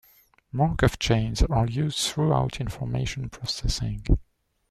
Markov chains are used throughout information processing.